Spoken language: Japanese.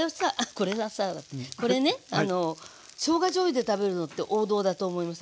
これがさこれねしょうがじょうゆで食べるのって王道だと思いません？